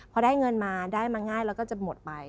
พอได้เงินมาได้มาง่ายแล้วก็จะหมดไป